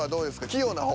器用な方？